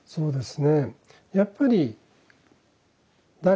そうですね。